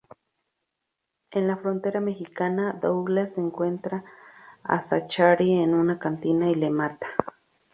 En la frontera mexicana, Douglas encuentra a Zachary en una cantina y le mata.